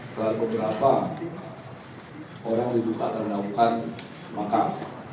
terhadap beberapa orang yang dibuka terhadap penangkapan